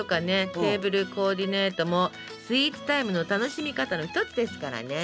テーブルコーディネートもスイーツタイムの楽しみ方の一つですからねえ。